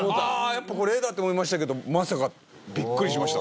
やっぱこれ絵だと思いましたけどまさかビックリしました